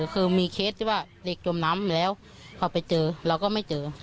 คือมีเคส